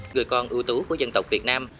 người con ưu tú của dân tộc việt nam